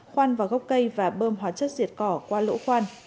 khoan vào gốc cây và bơm hóa chất diệt cỏ qua lỗ khoan